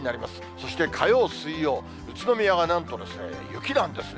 そして火曜、水曜、宇都宮がなんと雪なんですね。